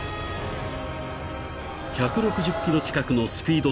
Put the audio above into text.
［１６０キロ近くのスピードで突っ込み